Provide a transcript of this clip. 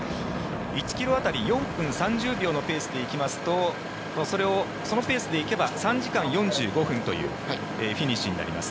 １ｋｍ当たり４分３０秒のペースで行きますとそのペースで行くと３時間４５分というフィニッシュになります。